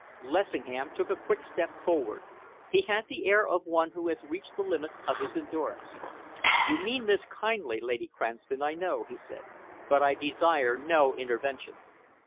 Lessingham took a quick step forward. He had the air of one who has reached the limits of his endurance. "You mean this kindly, Lady Cranston, I know," he said, "but I desire no intervention."